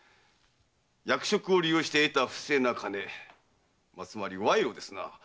役職を利用して得た不正な金つまり賄賂ですな。